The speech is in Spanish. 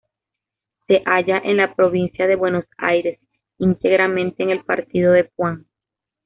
Se halla en la provincia de Buenos Aires, íntegramente en el partido de Puan.